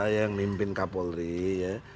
yang mimpin kapolri ya